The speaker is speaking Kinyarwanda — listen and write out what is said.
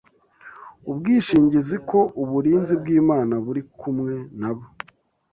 ubwishingizi ko uburinzi bw’Imana buri kumwe na bo;